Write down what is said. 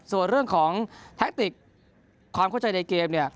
ส่วนเรื่องของแทคติกความเข้าใจในเกม